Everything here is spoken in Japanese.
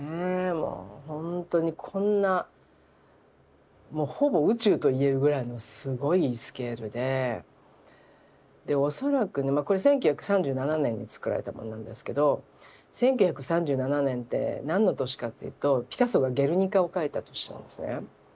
もうほんとにこんなもうほぼ宇宙と言えるぐらいのすごいスケールで恐らくこれ１９３７年に作られたものなんですけど１９３７年って何の年かっていうとピカソが「ゲルニカ」を描いた年なんですね。